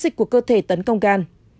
có thể tấn công gan